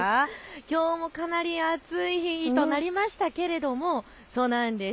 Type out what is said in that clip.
きょうもかなり暑い日となりましたが、そうなんです。